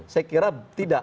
saya kira tidak